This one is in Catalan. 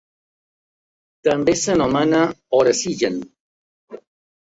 També s'anomena orexigen.